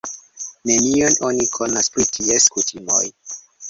Nenion oni konas pri ties kutimoj.